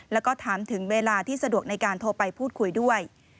แล้วก็ถามถึงเวลาที่สะดวกในการโทรไปพูดคุยด้วย